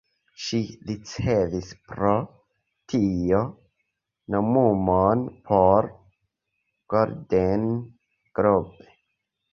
Ŝi ricevis pro tio nomumon por "Golden Globe".